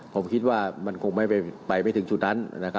ผมคิดว่ามันคงไม่ไปไม่ถึงจุดนั้น